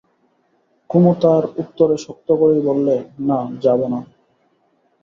কুমু তার উত্তরে শক্ত করেই বললে, না, যাব না।